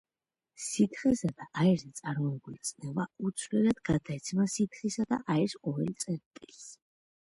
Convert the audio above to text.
სითხესა და აირზე წარმოებული წნევა უცვლელად გადაეცემა სითხისა და აირის ყოველ წერტილს.